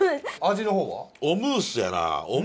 味の方は？